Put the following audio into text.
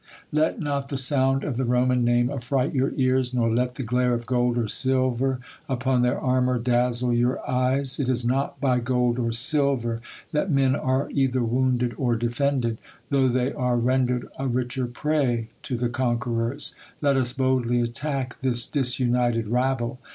Let not the sound of the Roman name atiVight your cans, nor let the glare of gold or silver, upon their armour, dazzle your eyes. It is not by gold or silver, that men are cither w^ounded or defended ; though they are ren . dered a richer prey to the conquerors. Let us boldly '| attack this disunited rabble.